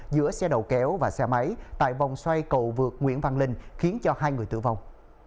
giữa xe đầu kéo và xe máy tại vòng xoay cầu vượt nguyễn văn linh khiến cho hai người tử vong